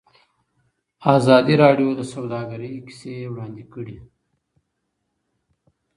ازادي راډیو د سوداګري کیسې وړاندې کړي.